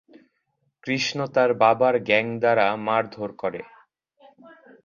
কৃষ্ণ তার বাবার গ্যাং দ্বারা মারধর করে।